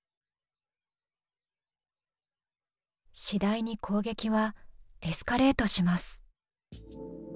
次第に攻撃はエスカレートします。